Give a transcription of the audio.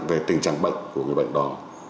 về tình trạng bệnh của cái bệnh đó